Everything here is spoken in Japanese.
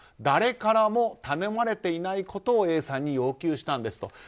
誰からも頼まれていないことをＡさんに要求したんですと。